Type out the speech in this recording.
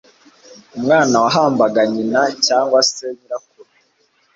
Umwana wahambaga nyina cyangwa se nyirakuru